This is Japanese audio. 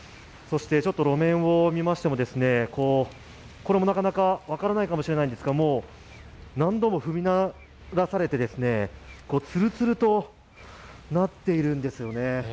そして路面を見ましてもこれもなかなか分からないかもしれないんですが、何度も踏みならされて、つるつるとなっているんですよね。